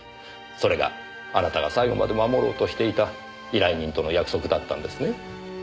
それがあなたが最後まで守ろうとしていた依頼人との約束だったんですね？